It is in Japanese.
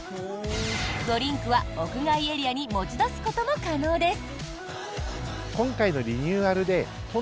ドリンクは屋外エリアに持ち出すことも可能です。